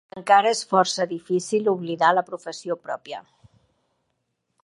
Encara és força difícil oblidar la professió pròpia.